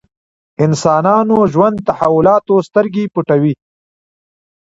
انسانانو ژوند تحولاتو سترګې پټوي.